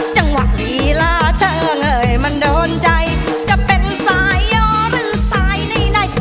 จังหวักฮีลาช่าเอ่ยมันโดนใจจะเป็นสายโย่หรือสายไหนไหน